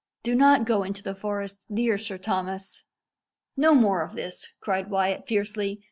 Do not go into the forest, dear Sir Thomas!" "No more of this!" cried Wyat fiercely.